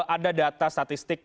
ada data statistik